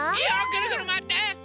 ぐるぐるまわって！